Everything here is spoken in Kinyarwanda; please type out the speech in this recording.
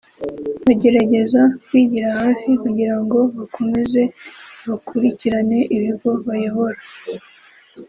bagerageza kwigira hafi kugira ngo bakomeze bakurikirane ibigo bayobora